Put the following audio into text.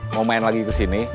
mau main lagi kesini